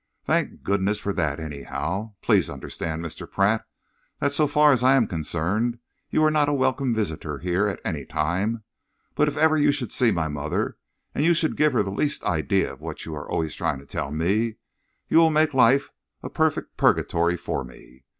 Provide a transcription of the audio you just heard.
"Thank goodness for that, anyhow! Please understand, Mr. Pratt, that so far as I am concerned you are not a welcome visitor here at any time, but if ever you should see my mother, and you should give her the least idea of what you are always trying to tell me, you will make life a perfect purgatory for me.